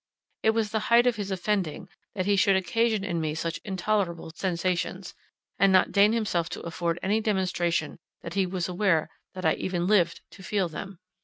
It was the height of his offending, that he should occasion in me such intolerable sensations, and not deign himself to afford any demonstration that he was aware that I even lived to feel them.